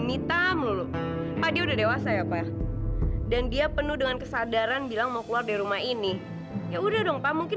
mama bener bener gak diinginkan